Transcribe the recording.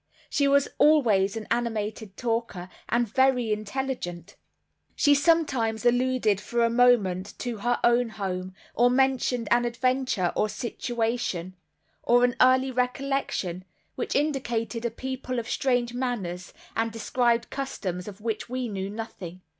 She was always an animated talker, and very intelligent. She sometimes alluded for a moment to her own home, or mentioned an adventure or situation, or an early recollection, which indicated a people of strange manners, and described customs of which we knew nothing.